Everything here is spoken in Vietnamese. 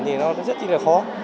thì nó rất là khó